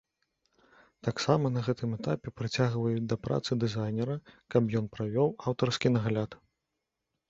Таксама, на гэтым этапе прыцягваюць да працы дызайнера, каб ён правёў аўтарскі нагляд.